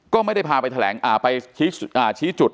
ก็ไม่ได้พาไปแถลงไปชี้จุด